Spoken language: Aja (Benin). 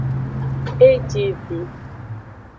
E ji vi.